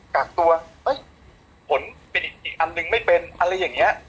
กากตัวเฮ้ยผลเป็นอีกอันหนึ่งไม่เป็นอะไรอย่างเงี้ย